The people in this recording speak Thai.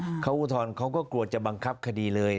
เขาอุทธรณ์เขาก็กลัวจะบังคับคดีเลย